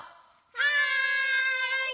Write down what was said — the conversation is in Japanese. はい！